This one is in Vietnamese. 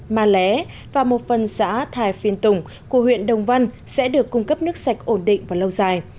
ma lé và một phần xã thái phiên tùng của huyện đồng văn sẽ được cung cấp nước sạch ổn định và lâu dài